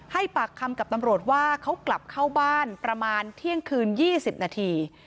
ให้ปากคำกับตำรวจว่าเขากลับเข้าบ้านประมาณเที่ยงคืน๒๐นาที